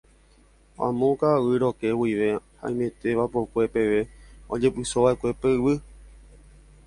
Amo Ka'aguy Rokẽ guive haimete vapor-kue peve ojepysova'ekue pe yvy.